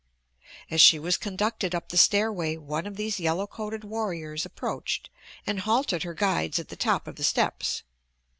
As she was conducted up the stairway one of these yellow coated warriors approached and halted her guides at the top of the steps.